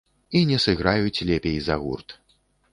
І не сыграюць лепей за гурт.